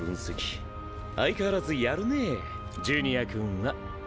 相変わらずやるねぇジュニア君は。